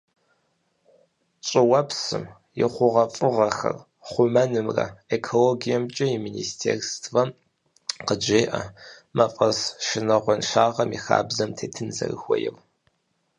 ЩӀыуэпсым и хъугъуэфӀыгъуэхэр хъумэнымрэ экологиемкӀэ и министерствэм къыджеӏэ мафӀэс шынагъуэншагъэм и хабзэм тетын зэрыхуейр.